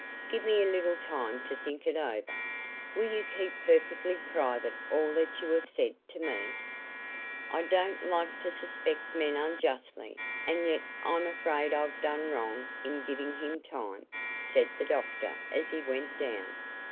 "Give me a little time to think it over. Will you keep perfectly private all that you have said to me?" "I don't like to suspect men unjustly, and yet I'm afraid I've done wrong, in giving him time," said the doctor, as he went down.